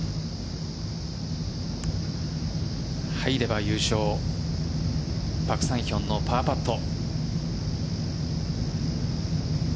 入れば優勝パク・サンヒョンのパーパット。